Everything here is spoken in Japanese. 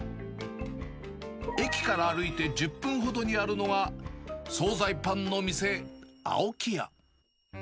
駅から歩いて１０分ほどにあるのが、総菜パンの店、青木屋。